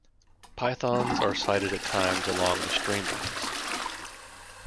Pythons are sighted at times along the stream banks.